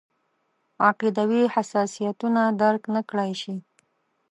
عقیدوي حساسیتونه درک نکړای شي.